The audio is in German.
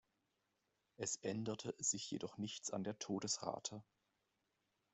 Es änderte sich jedoch nichts an der Todesrate.